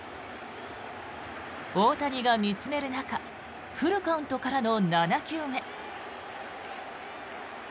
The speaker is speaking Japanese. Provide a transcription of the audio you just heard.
大谷が見つめる中フルカウントからの７球目。